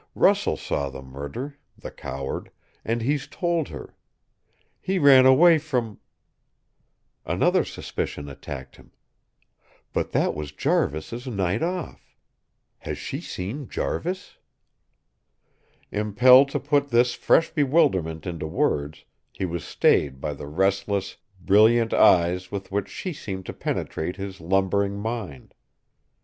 Russell saw the murder the coward and he's told her. He ran away from " Another suspicion attacked him: "But that was Jarvis' night off. Has she seen Jarvis?" Impelled to put this fresh bewilderment into words, he was stayed by the restless, brilliant eyes with which she seemed to penetrate his lumbering mind.